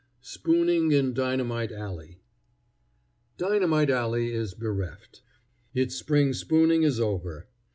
SPOONING IN DYNAMITE ALLEY Dynamite Alley is bereft. Its spring spooning is over.